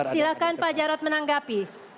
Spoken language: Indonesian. silahkan pak jarod menanggapi